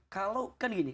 kalau kan gini